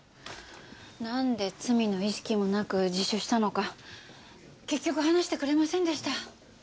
なんで罪の意識もなく自首したのか結局話してくれませんでした。